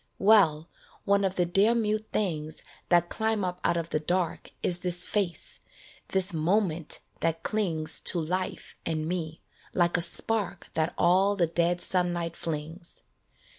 Well, one of the dear mute things That climb up out of the dark Is this face, this moment that clings To life and me, like a spark That all the dead sunlight flings.